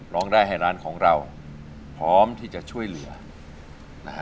ร้องได้ให้ร้านของเราพร้อมที่จะช่วยเหลือนะฮะ